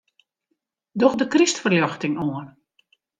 Doch de krystferljochting oan.